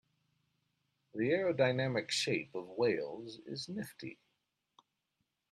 The aerodynamic shape of whales is nifty.